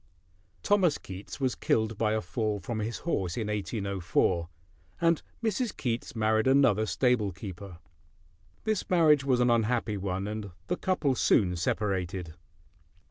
Thomas Keats was killed by a fall from his horse in 1804, and Mrs. Keats married another stable keeper. This marriage was an unhappy one, and the couple soon separated.